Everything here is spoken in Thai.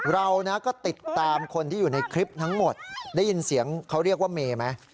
เราก็ติดตามคนที่อยู่ในคลิปทั้งหมดได้ยินเสียงเขาเรียกว่าเมย์ไหม